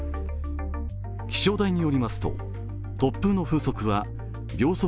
気象台によりますと、突風の風速は秒速